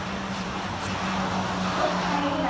ＳＴＯＰ詐欺被害！